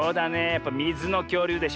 やっぱみずのきょうりゅうでしょ。